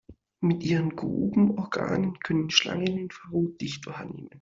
Mit ihrem Grubenorgan können Schlangen Infrarotlicht wahrnehmen.